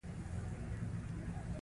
ایا ستاسو وکیل به زیرک نه وي؟